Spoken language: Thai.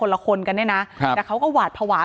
เดินเข้ามาในบ้านแล้วก็มารูเยือก